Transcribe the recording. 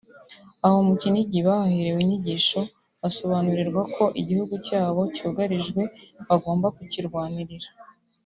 Aho mu Kinigi bahaherewe inyigisho basobanurirwa ko igihugu cyabo cyugarijwe bagomba kukirwanirira